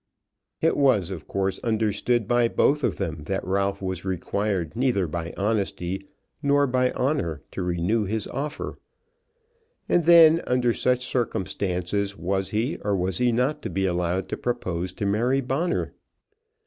It was of course understood by both of them that Ralph was required neither by honesty nor by honour to renew his offer. And then under such circumstances was he or was he not to be allowed to propose to Mary Bonner?